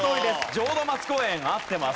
浄土松公園合ってます。